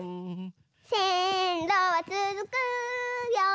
「せんろはつづくよ」